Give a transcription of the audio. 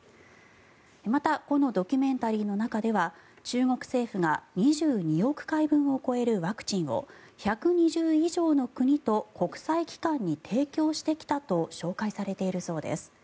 またこのドキュメンタリーの中では中国政府が２２億回分を超えるワクチンを１２０以上の国と国際機関に提供してきたと紹介されているそうです。